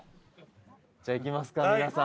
じゃあいきますか皆さん。